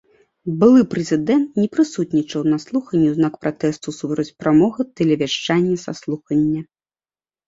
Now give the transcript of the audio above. Былы прэзідэнт не прысутнічаў на слуханні ў знак пратэсту супраць прамога тэлевяшчання са слухання.